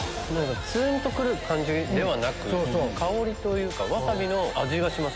ツンと来る感じではなく香りというかわさびの味がします。